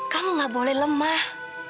kamu tidak boleh lemah